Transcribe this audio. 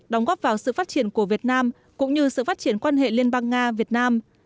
đóng góp vào sự phát triển của việt nam cũng như sự phát triển quan hệ liên bang nga việt nam